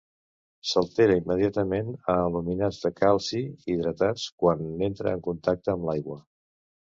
S'altera immediatament a aluminats de calci hidratats quan entra en contacte amb l'aigua.